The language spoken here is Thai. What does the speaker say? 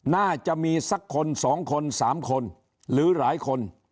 น่าจะมีสักคน๒คน๓คนหรือหลายคน